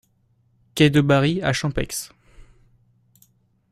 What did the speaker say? Quai d'Aubary à Champeix